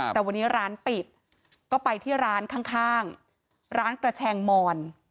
แต่วันนี้ร้านปิดก็ไปที่ร้านข้างร้านกระแชงมอน